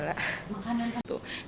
gak ada kendala